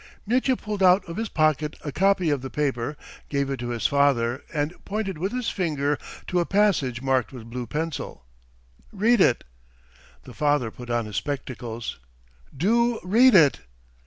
Mitya pulled out of his pocket a copy of the paper, gave it to his father, and pointed with his finger to a passage marked with blue pencil. "Read it!" The father put on his spectacles. "Do read it!"